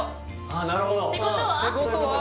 ああなるほどてことは？